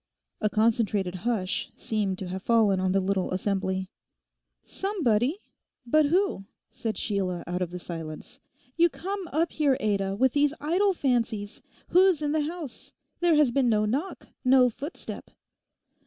A concentrated hush seemed to have fallen on the little assembly. '"Somebody"—but who?' said Sheila out of the silence. 'You come up here, Ada, with these idle fancies. Who's in the house? There has been no knock—no footstep.